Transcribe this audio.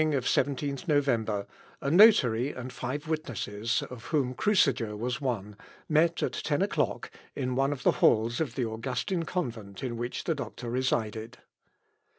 On the morning of the 17th November, a notary and five witnesses, of whom Cruciger was one, met at ten o'clock, in one of the halls of the Augustin convent in which the doctor resided.